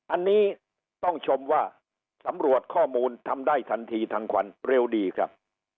อันนี้ต้องชมว่าสำรวจข้อมูลทำได้ทันทีทันควันเร็วดีครับ